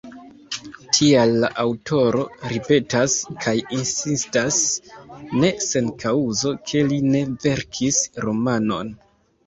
Tial la aŭtoro ripetas kaj insistas, ne sen kaŭzo, ke li ne verkis romanon.